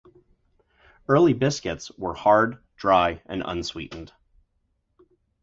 Early biscuits were hard, dry, and unsweetened.